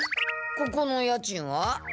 ここの家賃は？